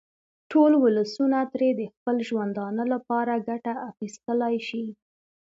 ټول ولسونه ترې د خپل ژوندانه لپاره ګټه اخیستلای شي.